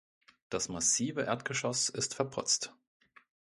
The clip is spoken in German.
Das massive Erdgeschoss ist verputzt.